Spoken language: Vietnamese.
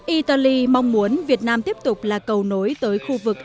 italy mong muốn việt nam tiếp tục là cầu nối